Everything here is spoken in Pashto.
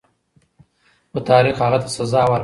خو تاریخ هغه ته سزا ورکړه.